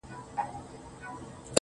زما او ستا په جدايۍ خوشحاله.